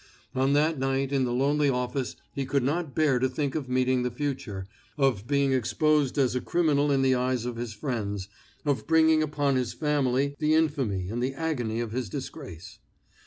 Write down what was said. On that night in the lonely office he could not bear to think of meeting the future, of being exposed as a criminal in the eyes of his friends, of bringing upon his family the infamy and the agony of his disgrace.